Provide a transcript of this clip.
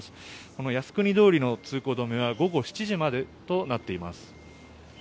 この靖国通りの通行止めは午後７時までとなっています。